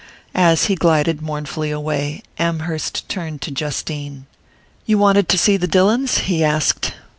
As he glided mournfully away, Amherst turned to Justine. "You wanted to see the Dillons?" he asked.